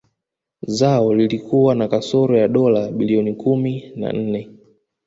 Zao lilikuwa na kasoro ya dola bilioni kumi na nne